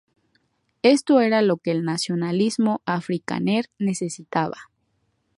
Esto era lo que el nacionalismo afrikáner necesitaba.